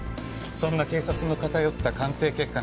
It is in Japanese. そんな警察の偏った鑑定結果なんて。